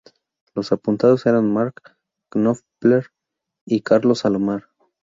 Los apuntados eran Mark Knopfler y Carlos Alomar.